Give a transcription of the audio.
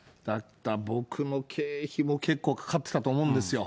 僕の経費も結構かかってたと思うんですよ。